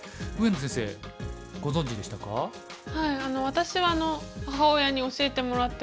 私は母親に教えてもらって。